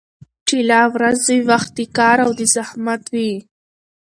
چي لا ورځ وي وخت د كار او د زحمت وي